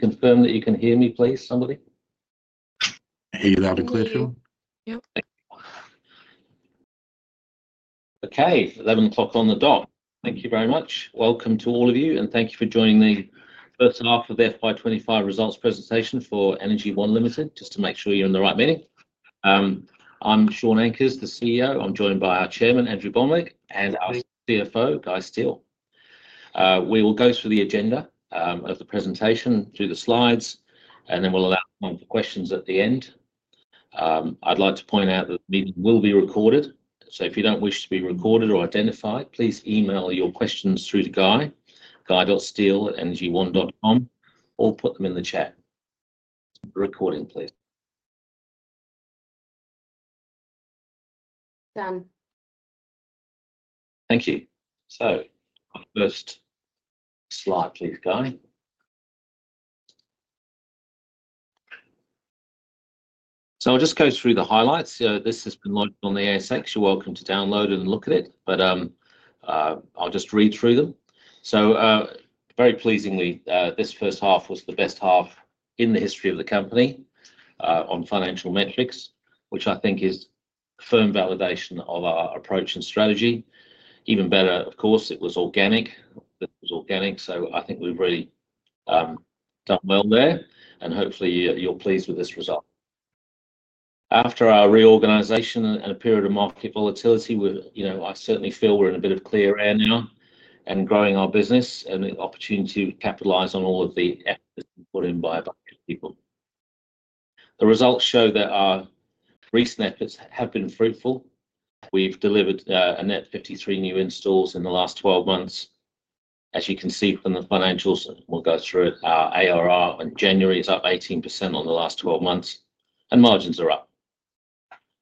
Confirm that you can hear me, please, somebody? I hear you loud and clear, Jill. Yep. Okay, 11:00 on the dot. Thank you very much. Welcome to all of you, and thank you for joining the first half of the FY2025 results presentation for Energy One Limited, just to make sure you're in the right meeting. I'm Shaun Ankers, the CEO. I'm joined by our Chairman, Andrew Bonwick, and our CFO, Guy Steel. We will go through the agenda of the presentation through the slides, and then we'll allow time for questions at the end. I'd like to point out that the meeting will be recorded, so if you don't wish to be recorded or identified, please email your questions through to Guy, guy.steel@energyone.com, or put them in the chat. Recording, please. Done. Thank you. First slide, please, Guy. I'll just go through the highlights. This has been logged on the ASX. You're welcome to download and look at it, but I'll just read through them. Very pleasingly, this first half was the best half in the history of the company on financial metrics, which I think is a firm validation of our approach and strategy. Even better, of course, it was organic. It was organic. I think we've really done well there, and hopefully you're pleased with this result. After our reorganisation and a period of market volatility, I certainly feel we're in a bit of clear air now and growing our business and the opportunity to capitalise on all of the efforts put in by a bunch of people. The results show that our recent efforts have been fruitful. We've delivered a net 53 new installs in the last 12 months. As you can see from the financials, we'll go through it. Our ARR in January is up 18% on the last 12 months, and margins are up.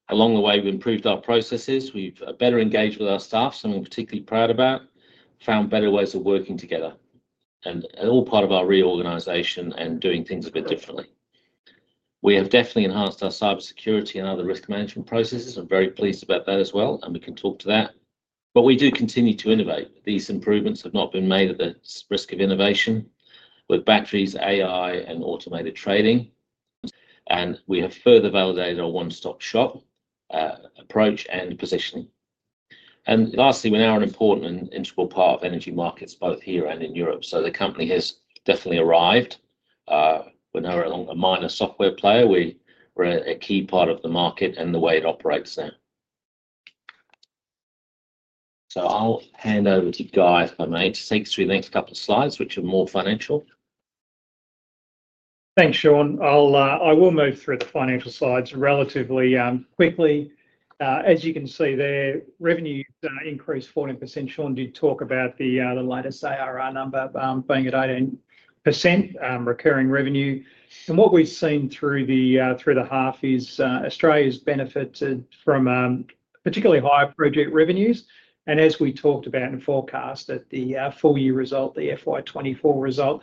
Along the way, we've improved our processes. We've better engaged with our staff, something we're particularly proud about. Found better ways of working together, and all part of our reorganization and doing things a bit differently. We have definitely enhanced our cybersecurity and other risk management processes. I'm very pleased about that as well, and we can talk to that. We do continue to innovate. These improvements have not been made at the risk of innovation, with batteries, AI, and automated trading. We have further validated our one-stop shop approach and positioning. Lastly, we're now an important and integral part of energy markets, both here and in Europe. The company has definitely arrived. We're now a minor software player. We're a key part of the market and the way it operates now. I'll hand over to Guy, if I may, to take us through the next couple of slides, which are more financial. Thanks, Shaun. I will move through the financial slides relatively quickly. As you can see there, revenues increased 14%. Shaun did talk about the latest ARR number being at 18%, recurring revenue. What we've seen through the half is Australia has benefited from particularly high project revenues. As we talked about in the forecast at the full year result, the FY2024 result,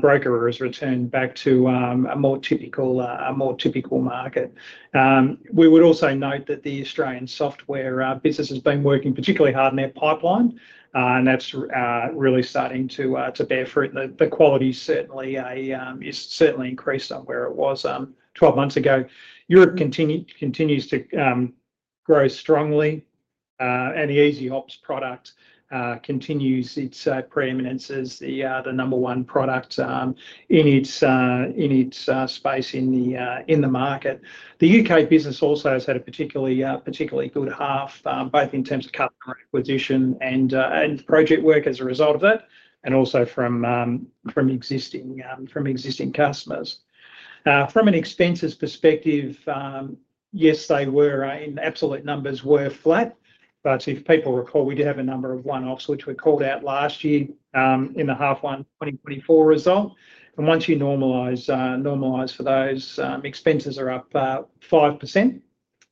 broker has returned back to a more typical market. We would also note that the Australian software business has been working particularly hard on their pipeline, and that's really starting to bear fruit. The quality certainly has certainly increased from where it was 12 months ago. Europe continues to grow strongly, and the EasyOps product continues its preeminence as the number one product in its space in the market. The U.K. business also has had a particularly good half, both in terms of customer acquisition and project work as a result of that, and also from existing customers. From an expenses perspective, yes, they were in absolute numbers were flat. If people recall, we did have a number of one-offs, which were called out last year in the half one 2024 result. Once you normalize for those, expenses are up 5%,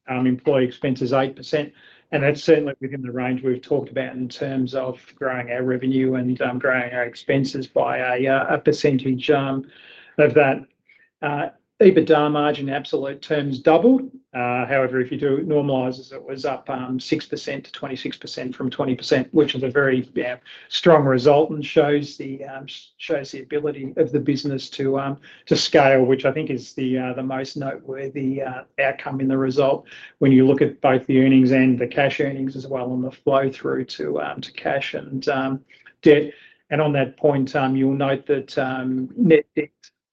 employee expenses 8%. That is certainly within the range we have talked about in terms of growing our revenue and growing our expenses by a percentage of that. EBITDA margin in absolute terms doubled. However, if you do normalise, it was up 6% to 26% from 20%, which was a very strong result and shows the ability of the business to scale, which I think is the most noteworthy outcome in the result when you look at both the earnings and the cash earnings as well on the flow through to cash and debt. On that point, you'll note that net debt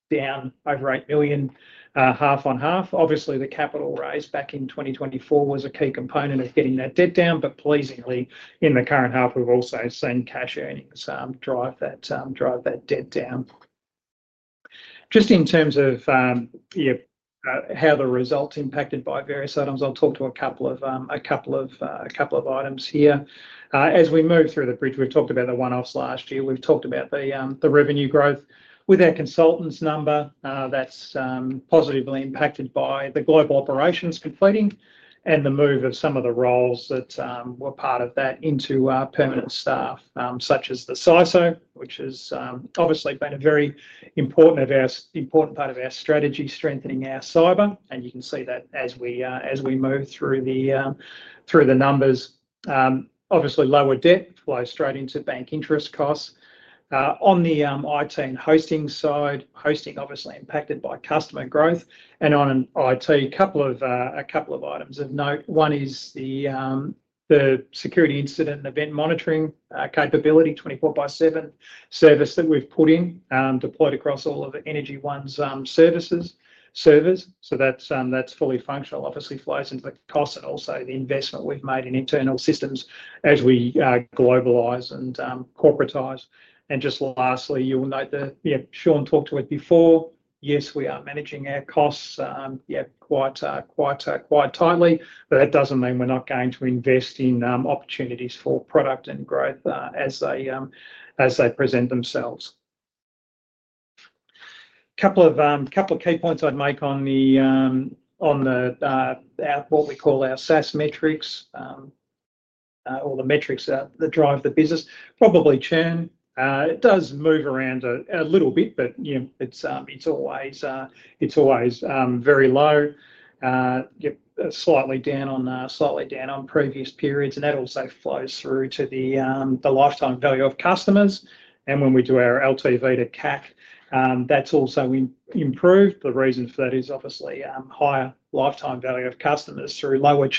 down over 8 million, half on half. Obviously, the capital raise back in 2024 was a key component of getting that debt down, but pleasingly, in the current half, we've also seen cash earnings drive that debt down. Just in terms of how the result impacted by various items, I'll talk to a couple of items here. As we move through the bridge, we've talked about the one-offs last year. We've talked about the revenue growth with our consultants number. That's positively impacted by the global operations completing and the move of some of the roles that were part of that into permanent staff, such as the CISO, which has obviously been a very important part of our strategy, strengthening our cyber. You can see that as we move through the numbers. Obviously, lower debt flows straight into bank interest costs. On the IT and hosting side, hosting obviously impacted by customer growth. On IT, a couple of items of note. One is the security incident and event monitoring capability, 24x7 service that we've put in, deployed across all of Energy One's services. That's fully functional. It flows into the costs and also the investment we've made in internal systems as we globalize and corporatize. Just lastly, you'll note that Shaun talked to it before. Yes, we are managing our costs quite tightly, but that does not mean we are not going to invest in opportunities for product and growth as they present themselves. A couple of key points I would make on what we call our SaaS metrics or the metrics that drive the business. Probably churn. It does move around a little bit, but it is always very low, slightly down on previous periods. That also flows through to the lifetime value of customers. When we do our LTV to CAC, that is also improved. The reason for that is obviously higher lifetime value of customers through lower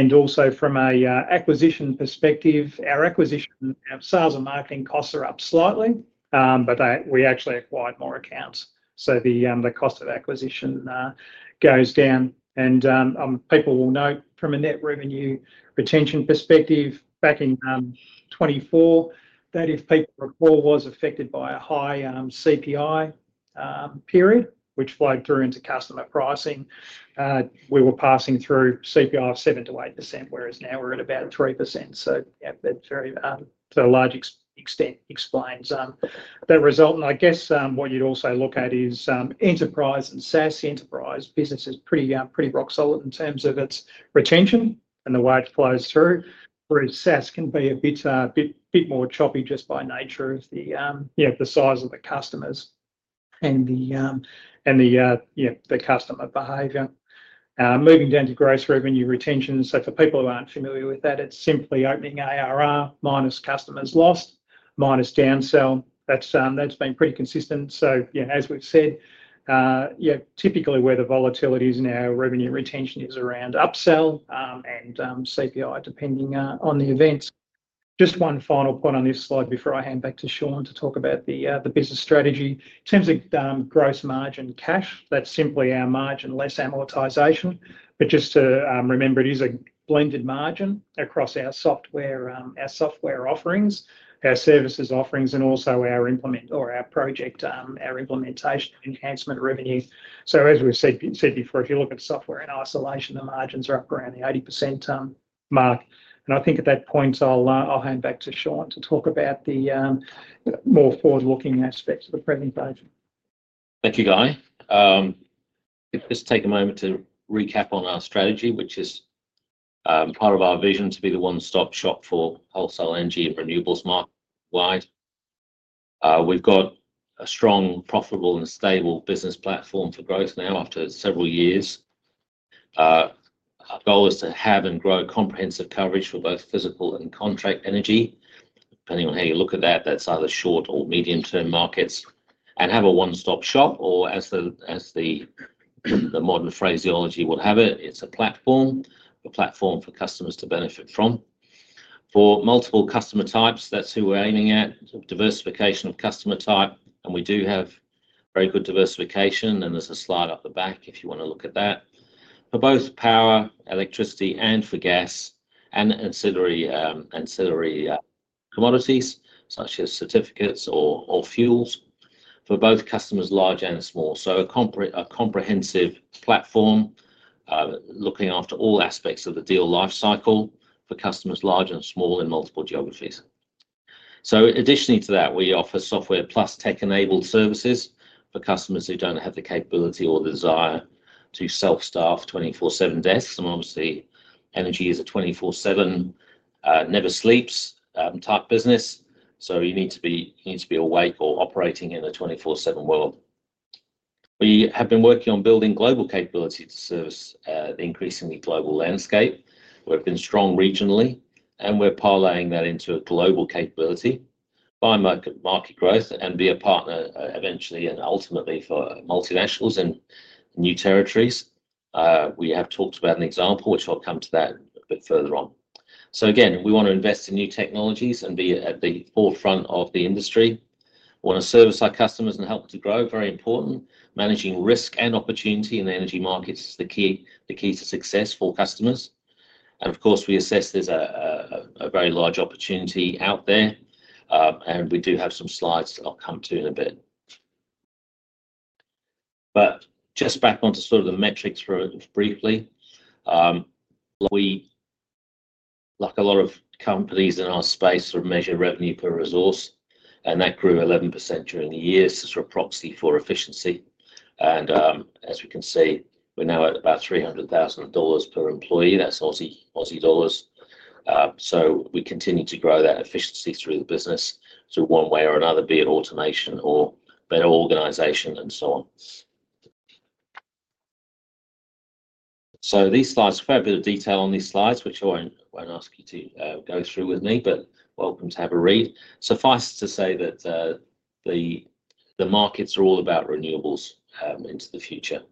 churn. Also from an acquisition perspective, our acquisition, our sales and marketing costs are up slightly, but we actually acquired more accounts. The cost of acquisition goes down. People will note from a net revenue retention perspective back in 2024 that, if people recall, was affected by a high CPI period, which flowed through into customer pricing. We were passing through CPI of 7-8%, whereas now we're at about 3%. That to a very large extent explains that result. I guess what you'd also look at is enterprise and SaaS enterprise business is pretty rock solid in terms of its retention and the way it flows through, whereas SaaS can be a bit more choppy just by nature of the size of the customers and the customer behavior. Moving down to gross revenue retention, for people who aren't familiar with that, it's simply opening ARR minus customers lost minus downsell. That's been pretty consistent. As we have said, typically where the volatility is in our revenue retention is around upsell and CPI depending on the event. Just one final point on this slide before I hand back to Shaun to talk about the business strategy. In terms of gross margin cash, that is simply our margin less amortization. Just remember, it is a blended margin across our software offerings, our services offerings, and also our project implementation enhancement revenue. As we have said before, if you look at software in isolation, the margins are up around the 80% mark. I think at that point, I will hand back to Shaun to talk about the more forward-looking aspects of the presentation. Thank you, Guy. Just take a moment to recap on our strategy, which is part of our vision to be the one-stop shop for wholesale energy and renewables market wide. We have got a strong, profitable, and stable business platform for growth now after several years. Our goal is to have and grow comprehensive coverage for both physical and contract energy. Depending on how you look at that, that is either short or medium-term markets. We have a one-stop shop, or as the modern phraseology would have it, it is a platform, a platform for customers to benefit from. For multiple customer types, that is who we are aiming at, diversification of customer type. We do have very good diversification, and there is a slide up the back if you want to look at that. For both power, electricity, and for gas, and ancillary commodities such as certificates or fuels for both customers large and small. A comprehensive platform looking after all aspects of the deal lifecycle for customers large and small in multiple geographies. Additionally to that, we offer software plus tech-enabled services for customers who do not have the capability or the desire to self-staff 24/7 desks. Obviously, energy is a 24/7, never sleeps type business. You need to be awake or operating in a 24/7 world. We have been working on building global capability to service the increasingly global landscape. We have been strong regionally, and we are piling that into a global capability by market growth and be a partner eventually and ultimately for multinationals and new territories. We have talked about an example, which I will come to that a bit further on. Again, we want to invest in new technologies and be at the forefront of the industry. We want to service our customers and help them to grow. Very important. Managing risk and opportunity in the energy markets is the key to success for customers. Of course, we assess there's a very large opportunity out there. We do have some slides I'll come to in a bit. Just back onto sort of the metrics briefly. Like a lot of companies in our space, we measure revenue per resource, and that grew 11% during the year for proxy for efficiency. As we can see, we're now at about 300,000 dollars per employee. That's Aussie dollars. We continue to grow that efficiency through the business through one way or another, be it automation or better organization and so on. These slides, quite a bit of detail on these slides, which I won't ask you to go through with me, but welcome to have a read. Suffice to say that the markets are all about renewables into the future.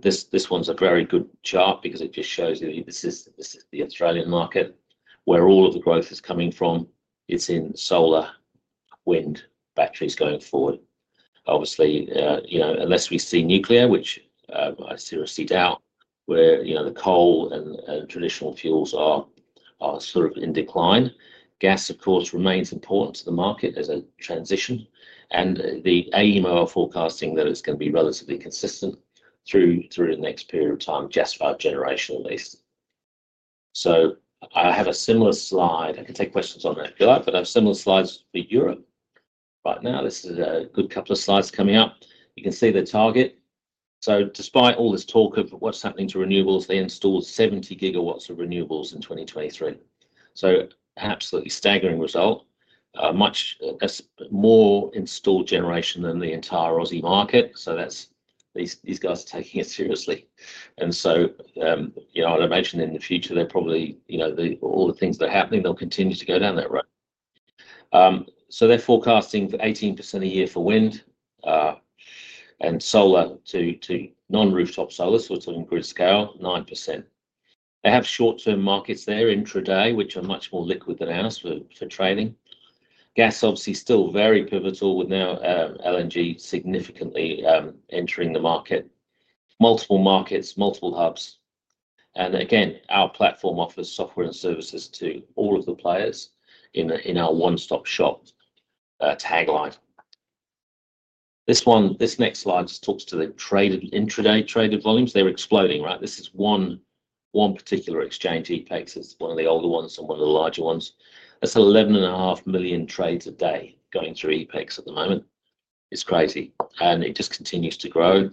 This one's a very good chart because it just shows you this is the Australian market where all of the growth is coming from. It's in solar, wind, batteries going forward. Obviously, unless we see nuclear, which I seriously doubt, where the coal and traditional fuels are sort of in decline. Gas, of course, remains important to the market as a transition. The aim of our forecasting is that it's going to be relatively consistent through the next period of time, just about generation at least. I have a similar slide. I can take questions on that if you like, but I have similar slides for Europe. Right now, this is a good couple of slides coming up. You can see the target. Despite all this talk of what's happening to renewables, they installed 70 gigawatts of renewables in 2023. Absolutely staggering result, much more installed generation than the entire Aussie market. These guys are taking it seriously. I'd imagine in the future, probably all the things that are happening, they'll continue to go down that road. They're forecasting 18% a year for wind and solar to non-rooftop solars, so it's on grid scale, 9%. They have short-term markets there intraday, which are much more liquid than ours for trading. Gas, obviously, still very pivotal with now LNG significantly entering the market. Multiple markets, multiple hubs. Again, our platform offers software and services to all of the players in our one-stop shop tagline. This next slide just talks to the intraday traded volumes. They're exploding, right? This is one particular exchange, EPEX, is one of the older ones and one of the larger ones. That's 11.5 million trades a day going through EPEX at the moment. It's crazy. It just continues to grow.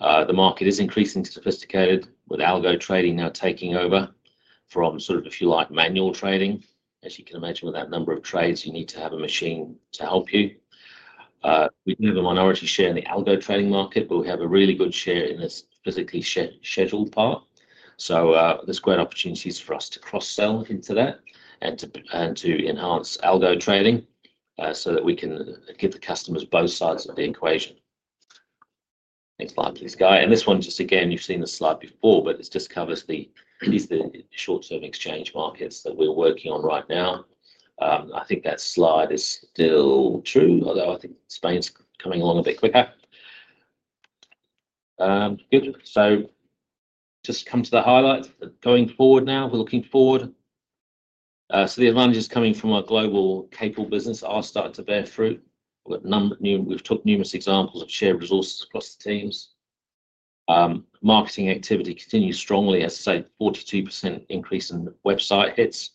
The market is increasingly sophisticated with algo trading now taking over from sort of, if you like, manual trading. As you can imagine, with that number of trades, you need to have a machine to help you. We have a minority share in the algo trading market, but we have a really good share in the physically scheduled part. There are great opportunities for us to cross-sell into that and to enhance algo trading so that we can give the customers both sides of the equation. Next slide, please, Guy. This one, just again, you've seen the slide before, but it just covers the short-term exchange markets that we're working on right now. I think that slide is still true, although I think Spain's coming along a bit quicker. Good. Just come to the highlights. Going forward now, we're looking forward. The advantage is coming from our global capability business. I'll start to bear fruit. We've took numerous examples of shared resources across the teams. Marketing activity continues strongly. As I say, 42% increase in website hits.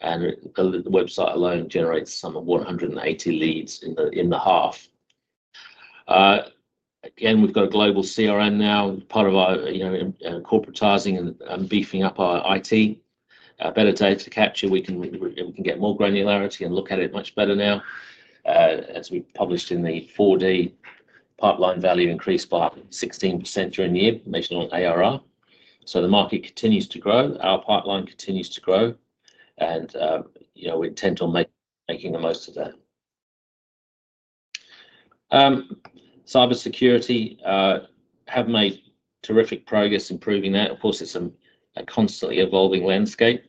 The website alone generates some 180 leads in the half. Again, we've got a global CRM now, part of our corporatising and beefing up our IT. Better data capture, we can get more granularity and look at it much better now. As we published in the 4D, pipeline value increased by 16% during the year, measured on ARR. The market continues to grow. Our pipeline continues to grow. We intend on making the most of that. Cybersecurity have made terrific progress improving that. Of course, it's a constantly evolving landscape.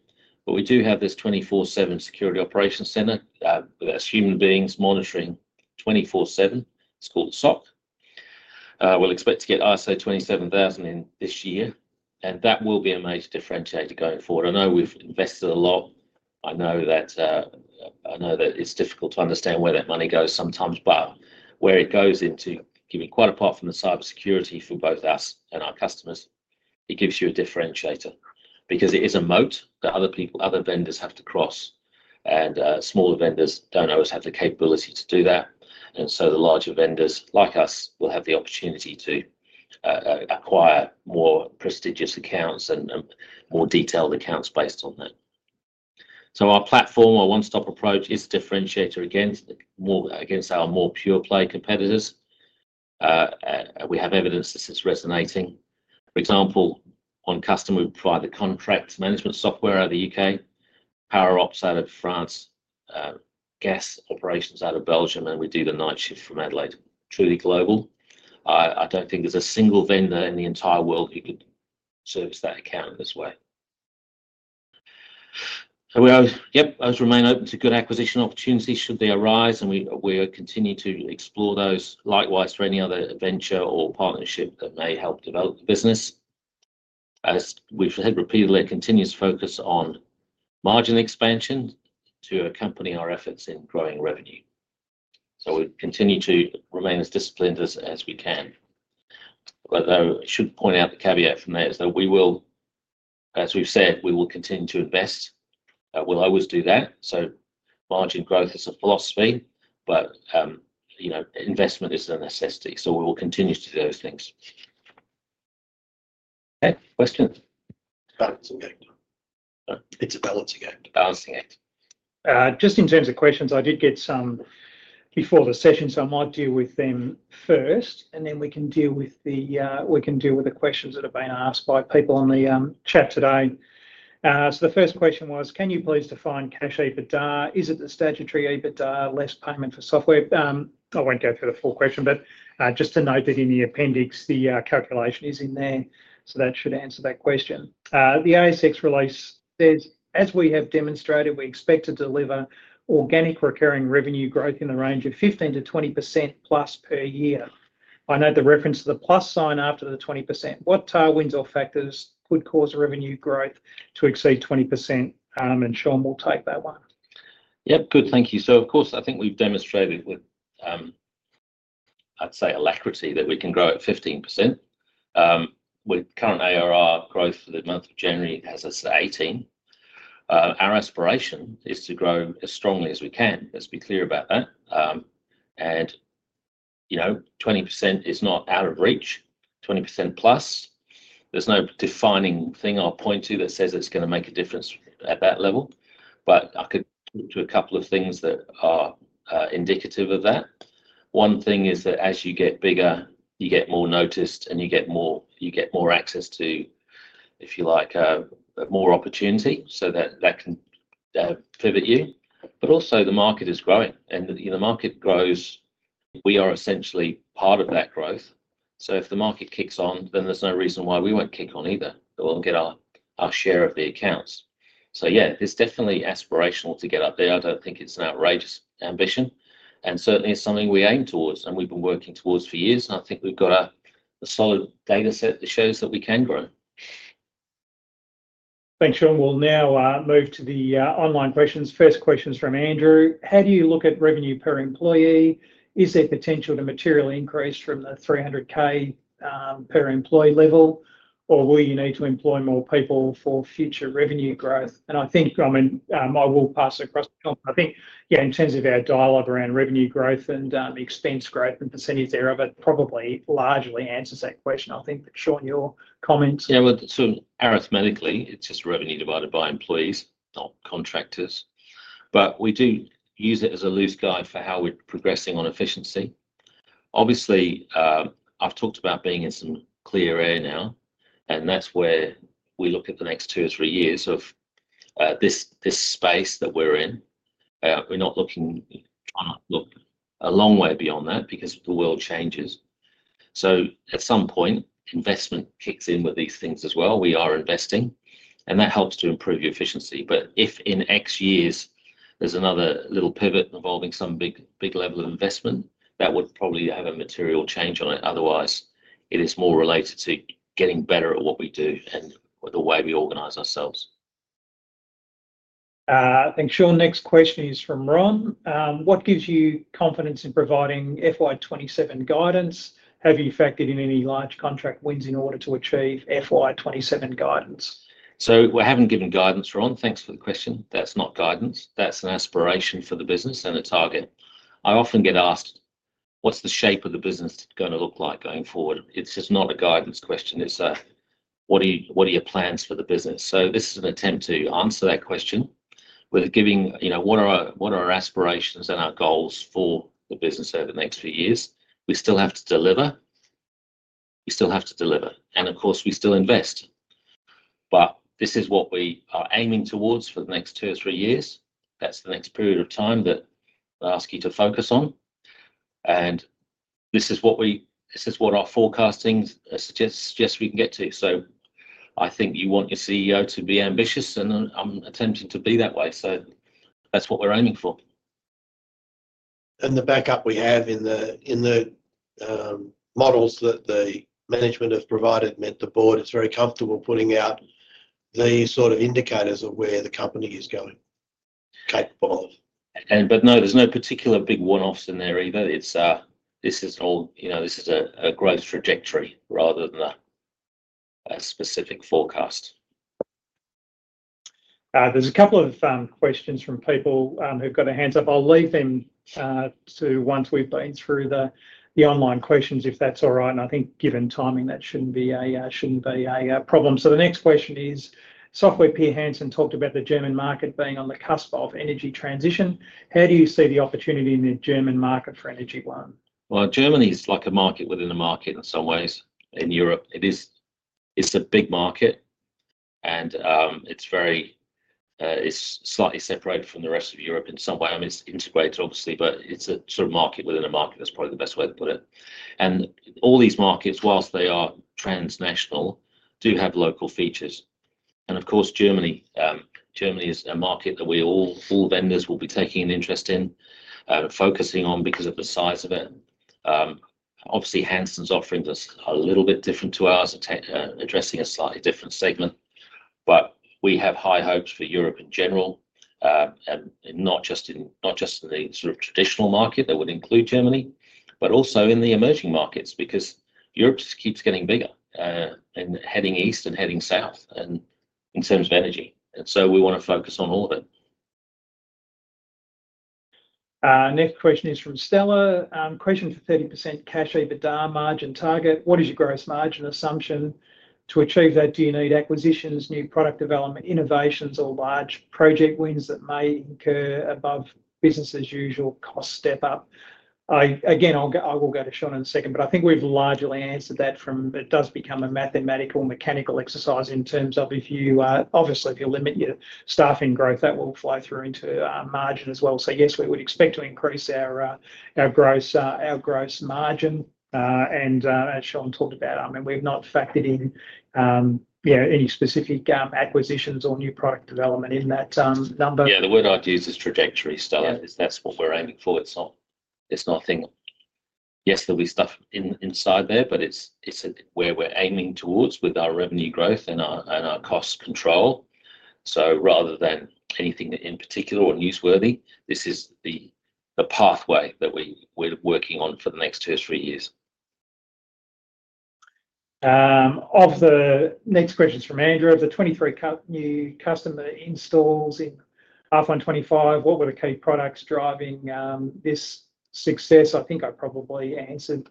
We do have this 24/7 Security Operations Centre. That's human beings monitoring 24/7. It's called SOC. We'll expect to get ISO 27001 in this year. That will be a major differentiator going forward. I know we've invested a lot. I know that it's difficult to understand where that money goes sometimes, but where it goes into giving, quite apart from the cybersecurity for both us and our customers, it gives you a differentiator. It is a moat that other vendors have to cross. Smaller vendors do not always have the capability to do that. The larger vendors like us will have the opportunity to acquire more prestigious accounts and more detailed accounts based on that. Our platform, our one-stop approach, is a differentiator against our more pure-play competitors. We have evidence this is resonating. For example, on customer, we provide the contract management software out of the U.K., PowerOps out of France, gas operations out of Belgium, and we do the night shift from Adelaide. Truly global. I do not think there is a single vendor in the entire world who could service that account in this way. Yep, those remain open to good acquisition opportunities should they arise. We continue to explore those, likewise for any other venture or partnership that may help develop the business. As we have said repeatedly, a continuous focus on margin expansion to accompany our efforts in growing revenue. We continue to remain as disciplined as we can. Although I should point out the caveat from that is that we will, as we've said, we will continue to invest. We'll always do that. Margin growth is a philosophy, but investment is a necessity. We will continue to do those things. Okay, questions? Balancing act. It's a balancing act. Balancing act. Just in terms of questions, I did get some before the session, so I might deal with them first, and then we can deal with the questions that have been asked by people on the chat today. The first question was, can you please define cash EBITDA? Is it the statutory EBITDA less payment for software? I will not go through the full question, but just to note that in the appendix, the calculation is in there. That should answer that question. The ASX release says, as we have demonstrated, we expect to deliver organic recurring revenue growth in the range of 15%-20%+ per year. I know the reference to the plus sign after the 20%. What winds or factors could cause revenue growth to exceed 20%? Shaun will take that one. Yep, good. Thank you. I think we've demonstrated with, I'd say, alacrity that we can grow at 15%. With current ARR growth for the month of January, it has us at 18%. Our aspiration is to grow as strongly as we can. Let's be clear about that. 20% is not out of reach. 20% plus. There's no defining thing I'll point to that says it's going to make a difference at that level. I could talk to a couple of things that are indicative of that. One thing is that as you get bigger, you get more noticed, and you get more access to, if you like, more opportunity so that that can pivot you. Also, the market is growing. The market grows, we are essentially part of that growth. If the market kicks on, then there's no reason why we won't kick on either. We'll get our share of the accounts. Yeah, it's definitely aspirational to get up there. I don't think it's an outrageous ambition. It's something we aim towards, and we've been working towards for years. I think we've got a solid data set that shows that we can grow. Thanks, Shaun. We'll now move to the online questions. First question is from Andrew. How do you look at revenue per employee? Is there potential to material increase from the 300,000 per employee level, or will you need to employ more people for future revenue growth? I think, I mean, I will pass across to John. I think, yeah, in terms of our dialogue around revenue growth and expense growth and percentage thereof, it probably largely answers that question, I think. Shaun, your comments? Yeah, so arithmetically, it's just revenue divided by employees, not contractors. We do use it as a loose guide for how we're progressing on efficiency. Obviously, I've talked about being in some clear air now. That's where we look at the next two or three years of this space that we're in. We're not looking a long way beyond that because the world changes. At some point, investment kicks in with these things as well. We are investing. That helps to improve your efficiency. If in X years, there's another little pivot involving some big level of investment, that would probably have a material change on it. Otherwise, it is more related to getting better at what we do and the way we organise ourselves. Thanks, Shaun. Next question is from Ron. What gives you confidence in providing FY27 guidance? Have you factored in any large contract wins in order to achieve FY27 guidance? We have not given guidance, Ron. Thanks for the question. That is not guidance. That is an aspiration for the business and a target. I often get asked, what is the shape of the business going to look like going forward? It is just not a guidance question. It is a, what are your plans for the business? This is an attempt to answer that question with giving, what are our aspirations and our goals for the business over the next few years? We still have to deliver. We still have to deliver. Of course, we still invest. This is what we are aiming towards for the next two or three years. That is the next period of time that I ask you to focus on. This is what our forecasting suggests we can get to. I think you want your CEO to be ambitious, and I'm attempting to be that way. That's what we're aiming for. The backup we have in the models that the management has provided meant the board is very comfortable putting out the sort of indicators of where the company is going, capable of. No, there's no particular big one-offs in there either. This is all, this is a growth trajectory rather than a specific forecast. There's a couple of questions from people who've got their hands up. I'll leave them to once we've been through the online questions, if that's all right. I think given timing, that shouldn't be a problem. The next question is, Software pee,r Hansen talked about the German market being on the cusp of energy transition. How do you see the opportunity in the German market for Energy One? Germany is like a market within a market in some ways. In Europe, it is a big market. It is slightly separated from the rest of Europe in some way. I mean, it is integrated, obviously, but it is a sort of market within a market. That is probably the best way to put it. All these markets, whilst they are transnational, do have local features. Of course, Germany is a market that we all, all vendors will be taking an interest in, focusing on because of the size of it. Obviously, Hansen's offering is a little bit different to ours, addressing a slightly different segment. We have high hopes for Europe in general, and not just in the sort of traditional market that would include Germany, but also in the emerging markets because Europe just keeps getting bigger and heading east and heading south in terms of energy. We want to focus on all of it. Next question is from Stella. Question for 30% cash EBITDA margin target. What is your gross margin assumption to achieve that? Do you need acquisitions, new product development, innovations, or large project wins that may incur above business-as-usual cost step up? Again, I will go to Shaun in a second, but I think we've largely answered that from it does become a mathematical mechanical exercise in terms of if you, obviously, if you limit your staffing growth, that will flow through into margin as well. Yes, we would expect to increase our gross margin. As Shaun talked about, I mean, we've not factored in any specific acquisitions or new product development in that number. Yeah, the word I'd use is trajectory, Stella, because that's what we're aiming for. It's nothing. Yes, there'll be stuff inside there, but it's where we're aiming towards with our revenue growth and our cost control. Rather than anything in particular or newsworthy, this is the pathway that we're working on for the next two or three years. Of the next questions from Andrew, of the 23 new customer installs in FY 2025, what were the key products driving this success? I think I probably answered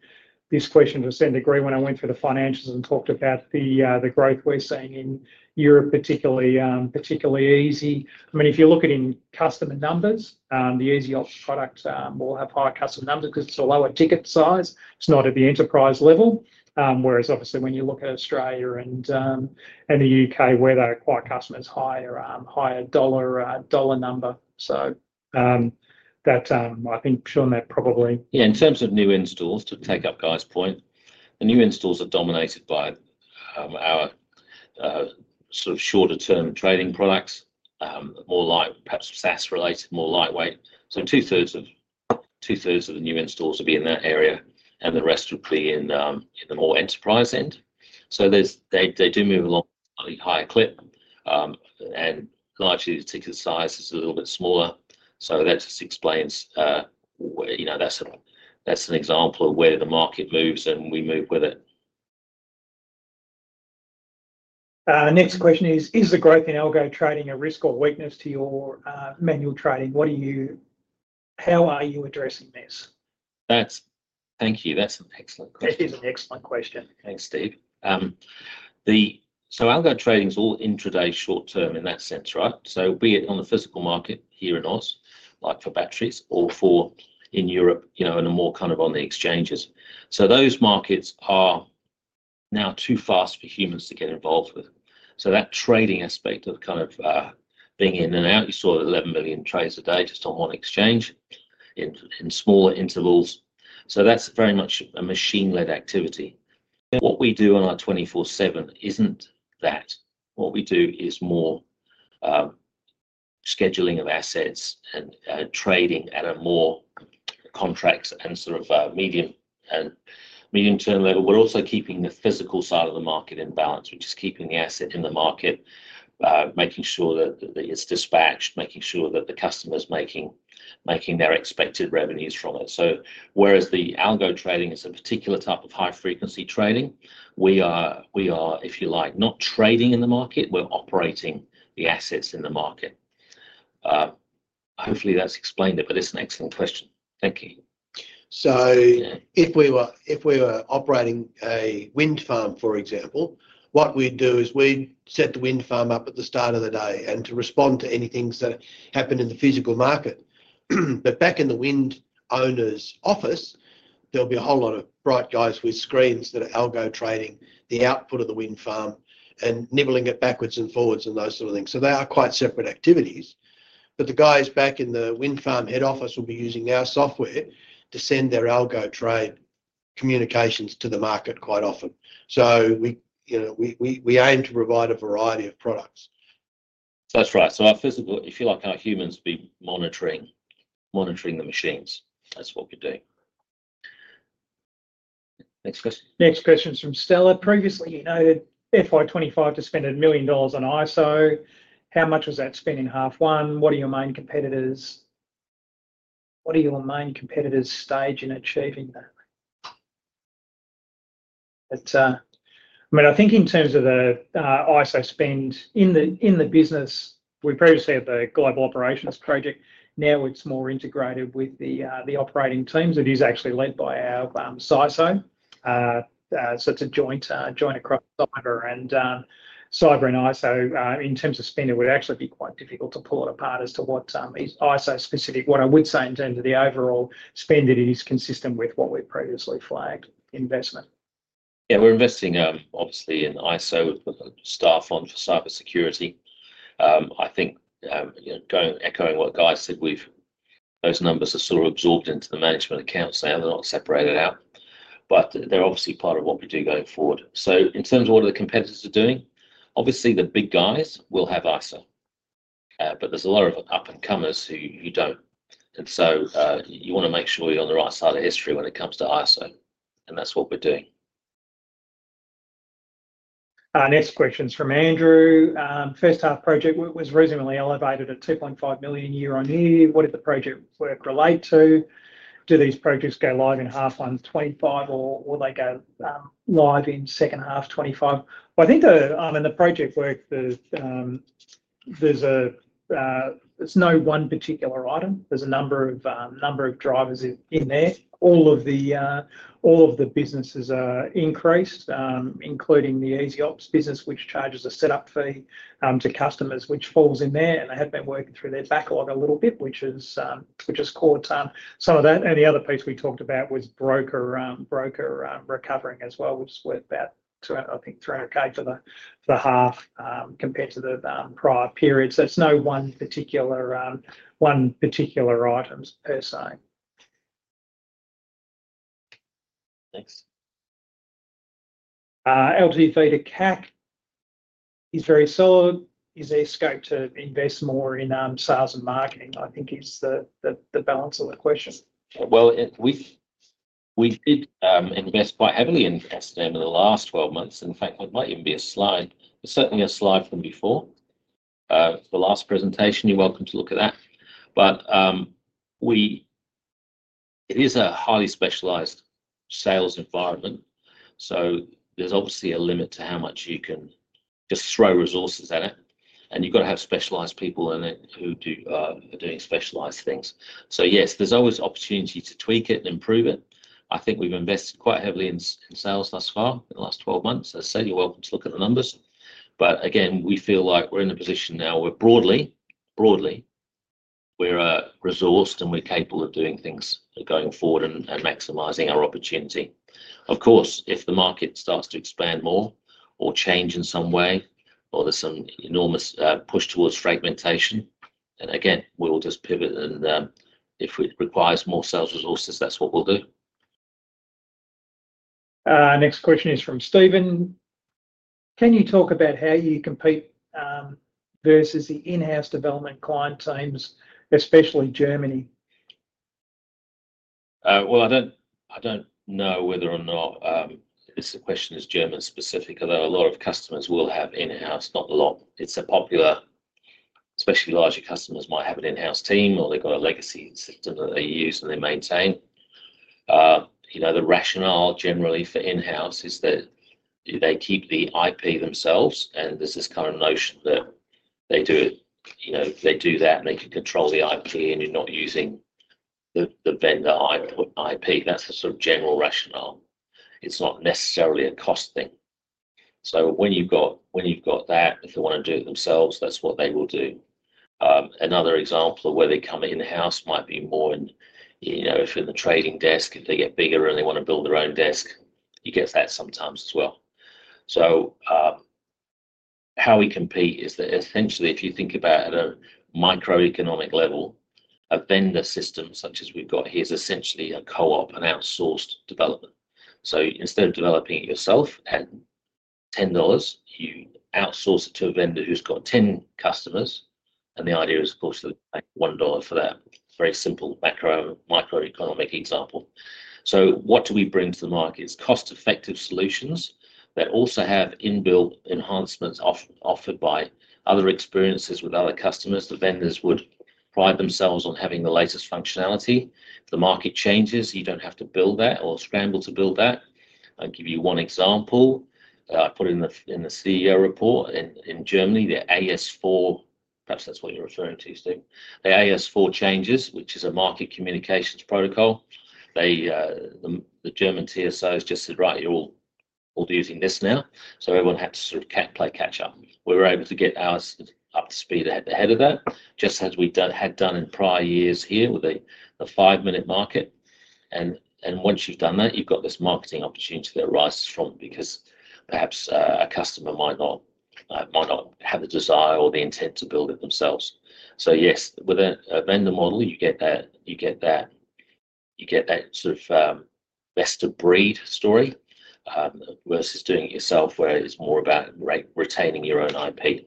this question to a certain degree when I went through the financials and talked about the growth we're seeing in Europe, particularly EasyOps. I mean, if you look at in customer numbers, the EasyOps product will have higher customer numbers because it's a lower ticket size. It's not at the enterprise level. Whereas obviously, when you look at Australia and the U.K., where they're quite customers, higher dollar number. I think Shaun there probably. Yeah, in terms of new installs, to take up Guy's point, the new installs are dominated by our sort of shorter-term trading products, more like perhaps SaaS-related, more lightweight. Two-thirds of the new installs will be in that area, and the rest will be in the more enterprise end. They do move along a higher clip. Largely, the ticket size is a little bit smaller. That just explains that's an example of where the market moves, and we move with it. Next question is, is the growth in algo trading a risk or weakness to your manual trading? How are you addressing this? Thank you. That's an excellent question. That is an excellent question. Thanks, Steve. Algo trading is all intraday short-term in that sense, right? Be it on the physical market here in the U.S., like for batteries, or in Europe in a more kind of on the exchanges. Those markets are now too fast for humans to get involved with. That trading aspect of kind of being in and out, you saw 11 million trades a day just on one exchange in smaller intervals. That is very much a machine-led activity. What we do on our 24/7 is not that. What we do is more scheduling of assets and trading at a more contracts and sort of medium-term level, but also keeping the physical side of the market in balance, which is keeping the asset in the market, making sure that it is dispatched, making sure that the customer's making their expected revenues from it. Whereas the algo trading is a particular type of high-frequency trading, we are, if you like, not trading in the market. We're operating the assets in the market. Hopefully, that's explained it, but it's an excellent question. Thank you. If we were operating a wind farm, for example, what we'd do is we'd set the wind farm up at the start of the day to respond to anything that happened in the physical market. Back in the wind owner's office, there will be a whole lot of bright guys with screens that are algo trading the output of the wind farm and nibbling it backwards and forwards and those sort of things. They are quite separate activities. The guys back in the wind farm head office will be using our software to send their algo trade communications to the market quite often. We aim to provide a variety of products. That's right. If you like, our humans be monitoring the machines. That's what we do. Next question. Next question is from Stella. Previously, you noted FY2025 to spend $1 million on ISO. How much was that spent in half one? What are your main competitors? What are your main competitors' stage in achieving that? I mean, I think in terms of the ISO spend in the business, we previously had the global operations project. Now it is more integrated with the operating teams. It is actually led by our CISO. It is a joint across cyber and ISO. In terms of spending, it would actually be quite difficult to pull it apart as to what is ISO-specific. What I would say in terms of the overall spending, it is consistent with what we have previously flagged investment. Yeah, we're investing, obviously, in ISO with the staff on for cybersecurity. I think echoing what Guy said, those numbers are sort of absorbed into the management accounts. They're not separated out. They're obviously part of what we do going forward. In terms of what the competitors are doing, obviously, the big guys will have ISO. There's a lot of up-and-comers who don't. You want to make sure you're on the right side of history when it comes to ISO. That's what we're doing. Next question is from Andrew. First half project was reasonably elevated at 2.5 million year on year. What did the project work relate to? Do these projects go live in half one 2025, or will they go live in second half 2025? I think the project work, there's no one particular item. There's a number of drivers in there. All of the businesses are increased, including the EasyOps business, which charges a setup fee to customers, which falls in there. They have been working through their backlog a little bit, which has caught some of that. The other piece we talked about was broker recovering as well, which was worth about, I think, 300,000 for the half compared to the prior period. It is no one particular items per se. Thanks. LTV to CAC is very solid. Is there scope to invest more in sales and marketing? I think is the balance of the question. We did invest quite heavily in S&M in the last 12 months. In fact, it might even be a slide. It is certainly a slide from before. The last presentation, you're welcome to look at that. It is a highly specialised sales environment. There is obviously a limit to how much you can just throw resources at it. You have to have specialised people in it who are doing specialised things. Yes, there is always opportunity to tweak it and improve it. I think we've invested quite heavily in sales thus far in the last 12 months. As I said, you're welcome to look at the numbers. Again, we feel like we're in a position now where broadly, we're resourced and we're capable of doing things going forward and maximising our opportunity. Of course, if the market starts to expand more or change in some way, or there's some enormous push towards fragmentation, then again, we'll just pivot. If it requires more sales resources, that's what we'll do. Next question is from Stephen. Can you talk about how you compete versus the in-house development client teams, especially Germany? I don't know whether or not this question is German-specific, although a lot of customers will have in-house. Not a lot. It's popular, especially larger customers might have an in-house team, or they've got a legacy system that they use and they maintain. The rationale generally for in-house is that they keep the IP themselves. There's this kind of notion that they do it, they do that, and they can control the IP, and you're not using the vendor IP. That's the sort of general rationale. It's not necessarily a cost thing. When you've got that, if they want to do it themselves, that's what they will do. Another example of where they come in-house might be more in if you're in the trading desk, if they get bigger and they want to build their own desk, you get that sometimes as well. How we compete is that essentially, if you think about at a microeconomic level, a vendor system such as we've got here is essentially a co-op, an outsourced development. Instead of developing it yourself at $10, you outsource it to a vendor who's got 10 customers. The idea is, of course, to make $1 for that. Very simple macroeconomic example. What do we bring to the market? It's cost-effective solutions that also have inbuilt enhancements offered by other experiences with other customers. The vendors would pride themselves on having the latest functionality. The market changes. You don't have to build that or scramble to build that. I'll give you one example. I put it in the CEO report in Germany, the AS4, perhaps that's what you're referring to, Stephen, the AS4 changes, which is a market communications protocol. The German TSOs just said, "Right, you're all using this now." Everyone had to sort of play catch up. We were able to get ours up to speed ahead of that, just as we had done in prior years here with the five-minute market. Once you've done that, you've got this marketing opportunity that arises from because perhaps a customer might not have the desire or the intent to build it themselves. Yes, with a vendor model, you get that sort of best-of-breed story versus doing it yourself, where it's more about retaining your own IP.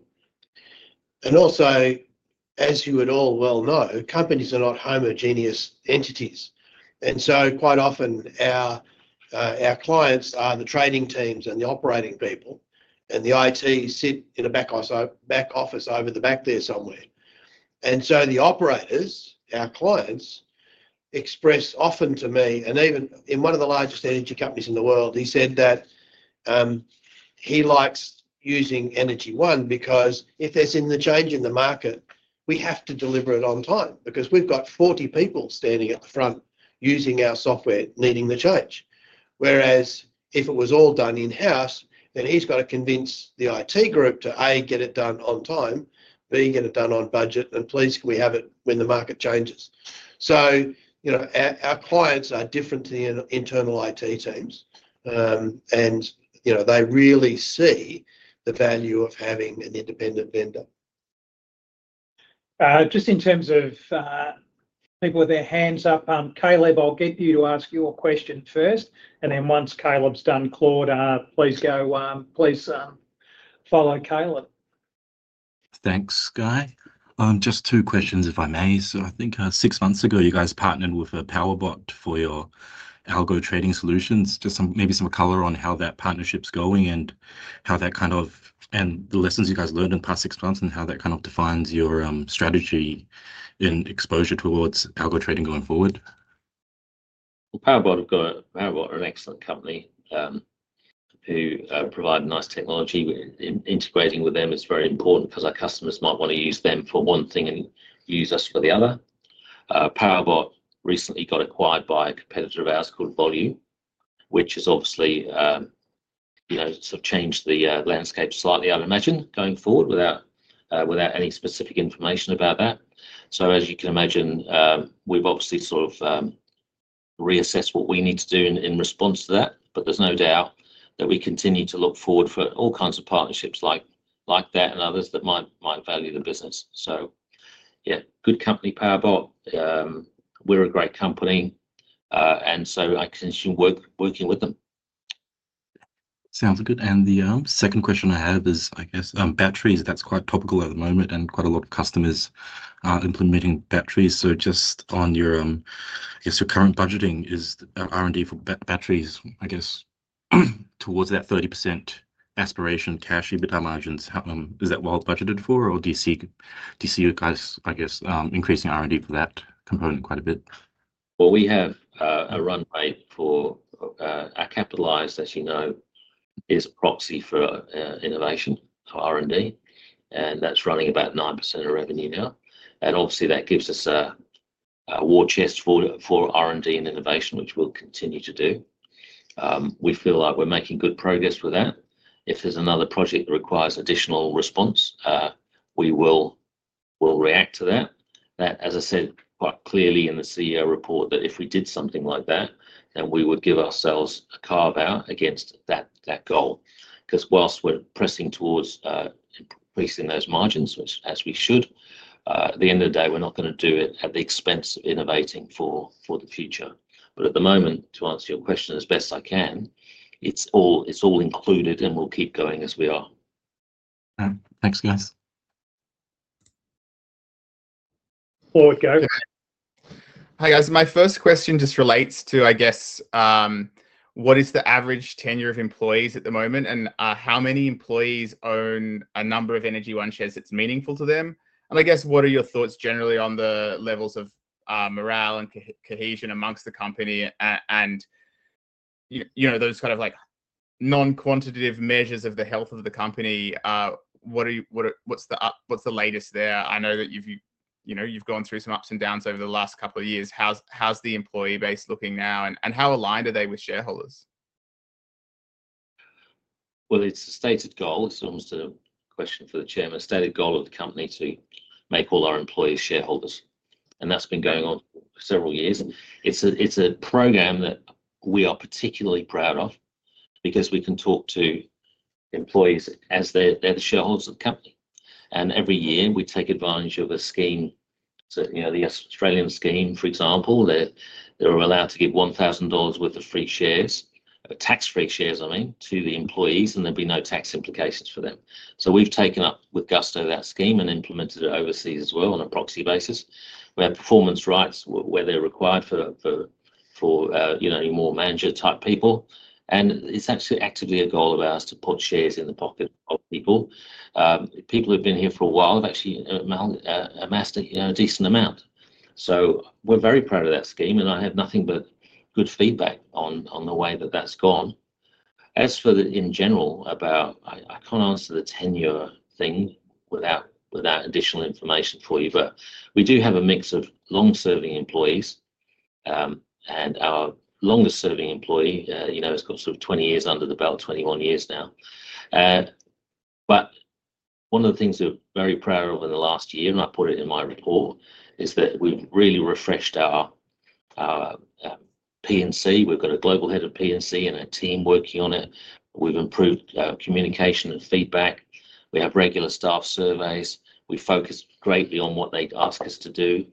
As you would all well know, companies are not homogeneous entities. Quite often, our clients are the trading teams and the operating people. The IT sit in a back office over the back there somewhere. The operators, our clients, express often to me, and even in one of the largest energy companies in the world, he said that he likes using Energy One because if there is a change in the market, we have to deliver it on time because we have 40 people standing at the front using our software needing the change. Whereas if it was all done in-house, then he has to convince the IT group to, A, get it done on time, B, get it done on budget, and please, can we have it when the market changes? Our clients are different to the internal IT teams. They really see the value of having an independent vendor. Just in terms of people with their hands up, Caleb, I'll get you to ask your question first. Once Caleb's done, Claude, please follow Caleb. Thanks, Guy. Just two questions, if I may. I think six months ago, you guys partnered with PowerBot for your algo trading solutions. Just maybe some color on how that partnership's going and the lessons you guys learned in the past six months and how that defines your strategy and exposure towards algo trading going forward. PowerBot are an excellent company who provide nice technology. Integrating with them is very important because our customers might want to use them for one thing and use us for the other. PowerBot recently got acquired by a competitor of ours called Volue, which has obviously sort of changed the landscape slightly, I would imagine, going forward without any specific information about that. As you can imagine, we've obviously sort of reassessed what we need to do in response to that. There is no doubt that we continue to look forward for all kinds of partnerships like that and others that might value the business. Yeah, good company, PowerBot. We're a great company. I can assume working with them. Sounds good. The second question I have is, I guess, batteries. That's quite topical at the moment and quite a lot of customers are implementing batteries. Just on your current budgeting, is R&D for batteries, I guess, towards that 30% aspiration cash EBITDA margins, is that well budgeted for, or do you see you guys, I guess, increasing R&D for that component quite a bit? We have a runway for our capitalized, as you know, is proxy for innovation or R&D. That is running about 9% of revenue now. Obviously, that gives us a war chest for R&D and innovation, which we'll continue to do. We feel like we're making good progress with that. If there's another project that requires additional response, we will react to that. I said quite clearly in the CEO report that if we did something like that, then we would give ourselves a carve-out against that goal. Because whilst we're pressing towards increasing those margins, which as we should, at the end of the day, we're not going to do it at the expense of innovating for the future. At the moment, to answer your question as best I can, it's all included and we'll keep going as we are. Thanks, guys. Claude. Hi, guys. My first question just relates to, I guess, what is the average tenure of employees at the moment and how many employees own a number of Energy One shares that's meaningful to them? I guess, what are your thoughts generally on the levels of morale and cohesion amongst the company and those kind of non-quantitative measures of the health of the company? What's the latest there? I know that you've gone through some ups and downs over the last couple of years. How's the employee base looking now? How aligned are they with shareholders? It is a stated goal. It is almost a question for the Chairman. A stated goal of the company to make all our employees shareholders. That has been going on for several years. It is a program that we are particularly proud of because we can talk to employees as they are the shareholders of the company. Every year, we take advantage of a scheme. The Australian scheme, for example, they are allowed to give 1,000 dollars worth of free shares, tax-free shares, I mean, to the employees, and there will be no tax implications for them. We have taken up with Gusto that scheme and implemented it overseas as well on a proxy basis. We have performance rights where they are required for more manager-type people. It is actually actively a goal of ours to put shares in the pocket of people. People who've been here for a while have actually amassed a decent amount. We are very proud of that scheme. I have nothing but good feedback on the way that that's gone. As for in general about, I can't answer the tenure thing without additional information for you. We do have a mix of long-serving employees. Our longest-serving employee has got sort of 20 years under the belt, 21 years now. One of the things we are very proud of in the last year, and I put it in my report, is that we've really refreshed our P&C. We've got a global head of P&C and a team working on it. We've improved communication and feedback. We have regular staff surveys. We focus greatly on what they ask us to do.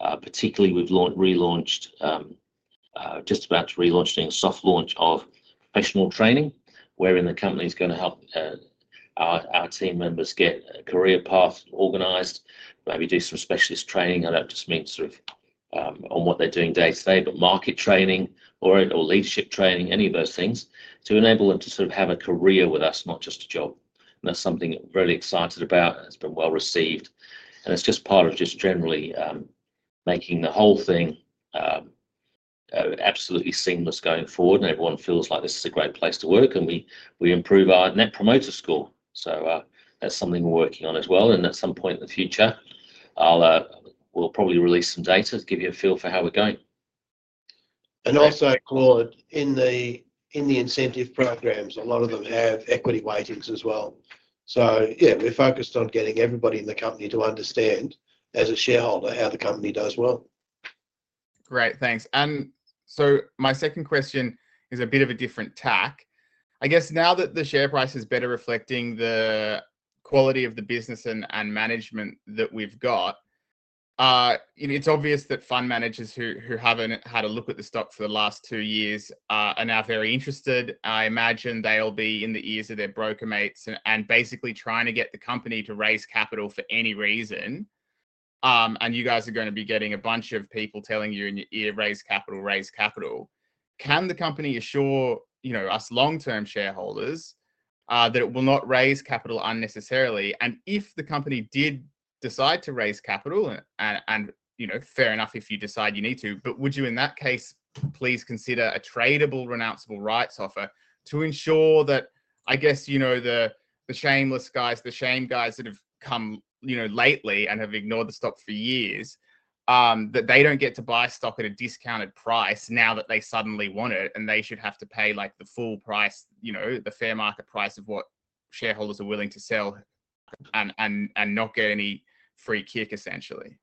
Particularly, we've relaunched, just about to relaunch a soft launch of professional training wherein the company's going to help our team members get career paths organized, maybe do some specialist training. I don't just mean sort of on what they're doing day to day, but market training or leadership training, any of those things to enable them to sort of have a career with us, not just a job. That is something we're really excited about. It's been well received. It is just part of just generally making the whole thing absolutely seamless going forward. Everyone feels like this is a great place to work. We improve our net promoter score. That is something we're working on as well. At some point in the future, we'll probably release some data to give you a feel for how we're going. Also, Claude, in the incentive programs, a lot of them have equity weightings as well. Yeah, we're focused on getting everybody in the company to understand, as a shareholder, how the company does well. Great. Thanks. My second question is a bit of a different tack. I guess now that the share price is better reflecting the quality of the business and management that we've got, it's obvious that fund managers who haven't had a look at the stock for the last two years are now very interested. I imagine they'll be in the ears of their broker mates and basically trying to get the company to raise capital for any reason. You guys are going to be getting a bunch of people telling you in your ear, "Raise capital, raise capital." Can the company assure us long-term shareholders that it will not raise capital unnecessarily? If the company did decide to raise capital, and fair enough if you decide you need to, would you in that case please consider a tradable, renounceable rights offer to ensure that, I guess, the shameless guys, the shame guys that have come lately and have ignored the stock for years, that they do not get to buy stock at a discounted price now that they suddenly want it and they should have to pay the full price, the fair market price of what shareholders are willing to sell and not get any free kick, essentially?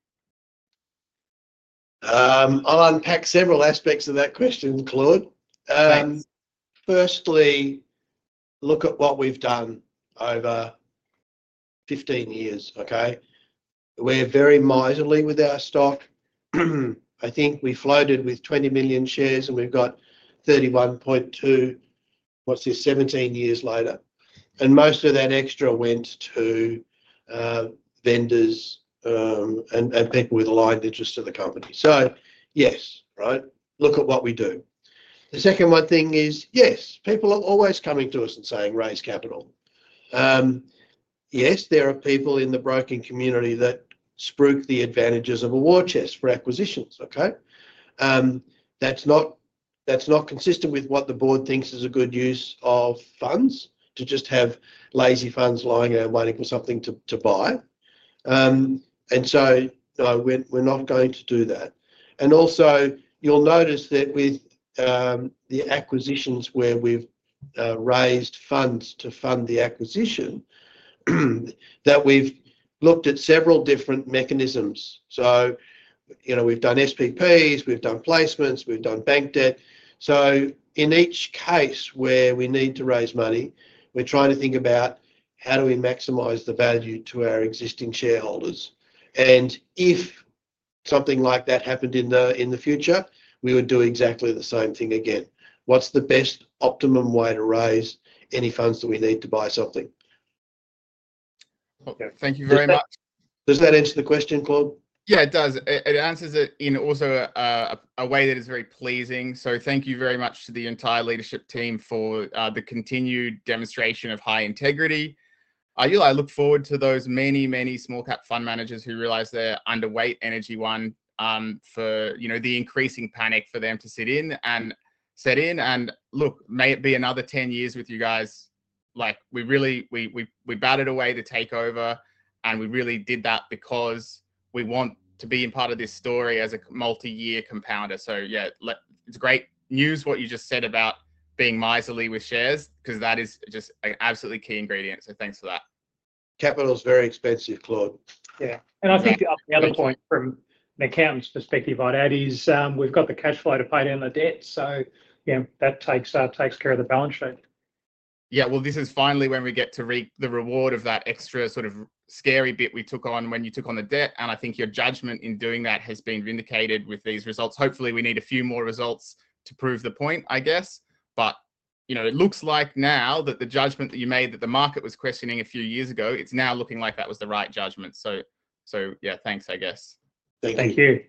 I'll unpack several aspects of that question, Claude. Firstly, look at what we've done over 15 years, okay? We're very miserly with our stock. I think we floated with 20 million shares and we've got 31.2 million, what's this, 17 years later. And most of that extra went to vendors and people with a line of interest to the company. Yes, right? Look at what we do. The second one thing is, yes, people are always coming to us and saying, "Raise capital." Yes, there are people in the broking community that spruik the advantages of a war chest for acquisitions, okay? That's not consistent with what the board thinks is a good use of funds to just have lazy funds lying there and waiting for something to buy. No, we're not going to do that. You'll notice that with the acquisitions where we've raised funds to fund the acquisition, we've looked at several different mechanisms. We've done SPPs, we've done placements, we've done bank debt. In each case where we need to raise money, we're trying to think about how do we maximize the value to our existing shareholders. If something like that happened in the future, we would do exactly the same thing again. What's the best optimum way to raise any funds that we need to buy something? Okay. Thank you very much. Does that answer the question, Claude? Yeah, it does. It answers it in also a way that is very pleasing. Thank you very much to the entire leadership team for the continued demonstration of high integrity. I look forward to those many, many small-cap fund managers who realize they're underweight Energy One for the increasing panic for them to sit in and set in. Look, may it be another 10 years with you guys. We batted away the takeover, and we really did that because we want to be a part of this story as a multi-year compounder. Yeah, it's great news what you just said about being mightily with shares because that is just an absolutely key ingredient. Thanks for that. Capital's very expensive, Claude. Yeah. I think the other point from an accountant's perspective on that is we've got the cash flow to pay down the debt. Yeah, that takes care of the balance sheet. Yeah. This is finally when we get to reap the reward of that extra sort of scary bit we took on when you took on the debt. I think your judgment in doing that has been vindicated with these results. Hopefully, we need a few more results to prove the point, I guess. It looks like now that the judgment that you made that the market was questioning a few years ago, it's now looking like that was the right judgment. Yeah, thanks, I guess. Thank you. Thank you.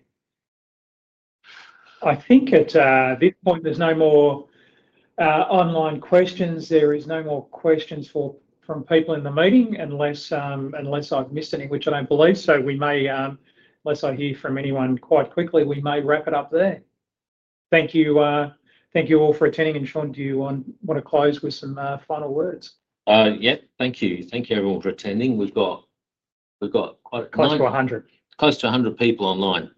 I think at this point, there's no more online questions. There is no more questions from people in the meeting unless I've missed any, which I don't believe. Unless I hear from anyone quite quickly, we may wrap it up there. Thank you all for attending. And Shaun, do you want to close with some final words? Yeah. Thank you. Thank you everyone for attending. We've got quite a client. Close to 100. Close to 100 people online.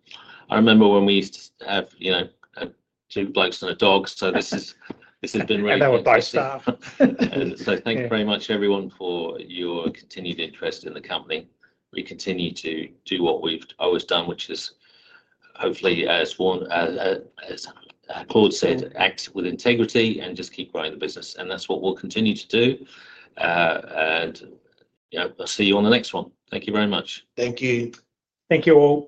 I remember when we used to have two blokes and a dog. This has been really good. They were both staff. Thank you very much, everyone, for your continued interest in the company. We continue to do what we've always done, which is hopefully, as Claude said, act with integrity and just keep growing the business. That's what we'll continue to do. I'll see you on the next one. Thank you very much. Thank you. Thank you all.